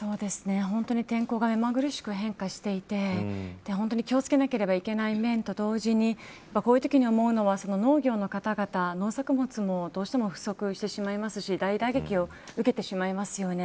本当に天候が目まぐるしく変化していて本当に、気を付けなければいけない面と同時にこういうときに思うのは農業の方々農作物もどうしても不足してしまうし大打撃を受けてしまいますよね。